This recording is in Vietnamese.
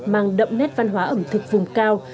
mang đậm nét văn hóa ẩm thực vùng cao